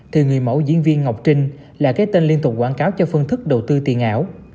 thì người mẫu diễn viên ngọc trinh là cái tên liên tục quảng cáo cho phương thức đầu tư tiền ảo